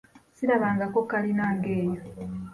Sirabangako kalina ng'eyo.